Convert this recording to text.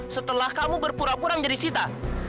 setelah kamu berpura pura menjadi sita